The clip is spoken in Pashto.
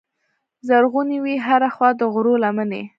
زرغونې وې هره خوا د غرو لمنې